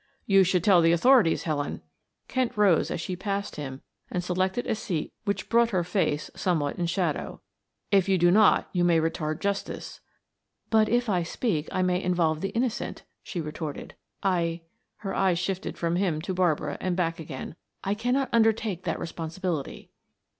"You should tell the authorities, Helen." Kent rose as she passed him and selected a seat which brought her face somewhat in shadow. "If you do not you may retard justice." "But if I speak I may involve the innocent," she retorted. "I " her eyes shifted from him to Barbara and back again. "I cannot undertake that responsibility."